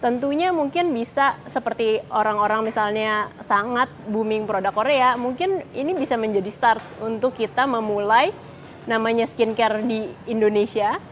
tentunya mungkin bisa seperti orang orang misalnya sangat booming produk korea mungkin ini bisa menjadi start untuk kita memulai namanya skincare di indonesia